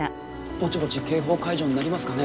ぼちぼち警報解除になりますかね？